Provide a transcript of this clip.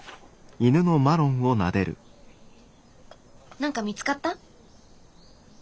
なんか見つかった？